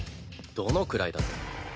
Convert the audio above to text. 「どのくらい」だと？